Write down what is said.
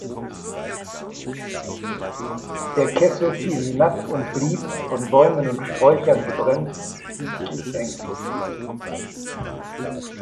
Der Kessel fiel hinab und blieb, von Bäumen und Sträuchern gebremst, schließlich hängen.